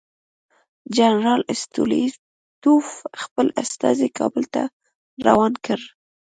جنرال ستولیتوف خپل استازی کابل ته روان کړ.